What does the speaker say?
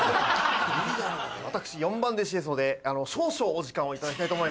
私４番弟子ですので少々お時間を頂きたいと思います。